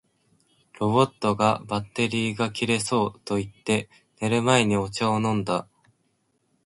ロボットが「バッテリーが切れそう」と言って、寝る前にお茶を飲んだ